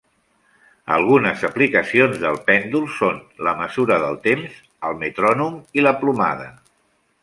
Algunes aplicacions del pèndol són la mesura del temps, el metrònom i la plomada.